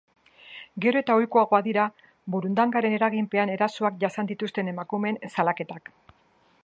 Gero eta ohikoagoak dira burundagaren eraginpean erasoak jasan dituzten emakumeen salaketak.